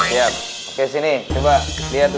ya kesini coba lihat